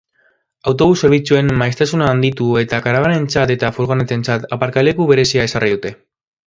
Autobus zerbitzuen maiztasuna handitu egin eta karabanentzat eta furgonetentzat aparkaleku berezia ezarri dute.